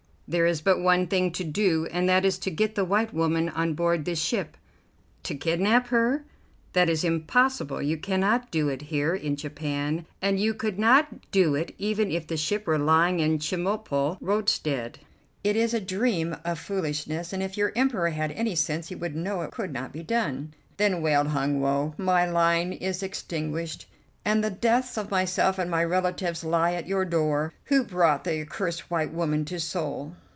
"There is but one thing to do, and that is to get the white woman on board this ship." "To kidnap her? That is impossible; you cannot do it here in Japan, and you could not do it even if the ship were lying in Chemulpo roadstead. It is a dream of foolishness, and if your Emperor had any sense he would know it could not be done." "Then," wailed Hun Woe, "my line is extinguished, and the deaths of myself and of my relatives lie at your door, who brought the accursed white woman to Seoul."